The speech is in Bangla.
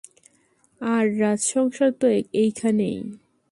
আর, রাজসংসার তো এইখানেই।